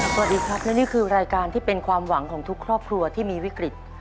สวัสดีครับและนี่คือรายการที่เป็นความหวังของทุกครอบครัวที่มีวิกฤต